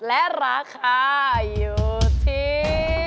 และราคาอยู่ที่